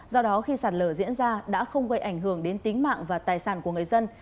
do đó khi sạt lở diễn ra đã không gây ảnh hưởng đến tính mạng và tài sản của người dân